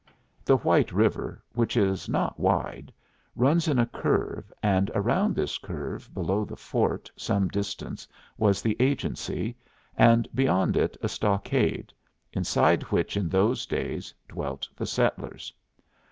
The White River, which is not wide, runs in a curve, and around this curve below the fort some distance was the agency, and beyond it a stockade, inside which in those days dwelt the settlers.